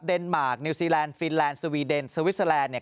มาร์คนิวซีแลนดฟินแลนด์สวีเดนสวิสเตอร์แลนด์เนี่ย